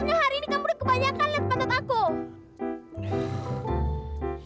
sebenernya hari ini kamu udah kebanyakan liat bantet aku